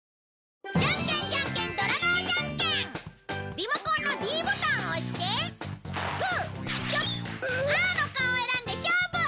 リモコンのｄボタンを押してグーチョキパーの顔を選んで勝負！